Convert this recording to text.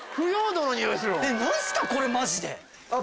何すかこれマジで。